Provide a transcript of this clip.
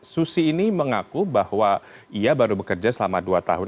susi ini mengaku bahwa ia baru bekerja selama dua tahun